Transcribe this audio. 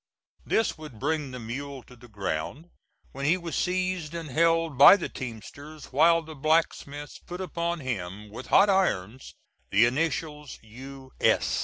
This would bring the mule to the ground, when he was seized and held by the teamsters while the blacksmith put upon him, with hot irons, the initials "U.